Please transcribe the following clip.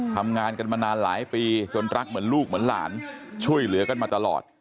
ทำงานกันมานานหลายปีจนรักเหมือนลูกเหมือนหลานช่วยเหลือกันมาตลอด